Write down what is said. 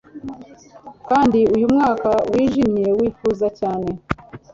Kandi uyu mwuka wijimye wifuza cyane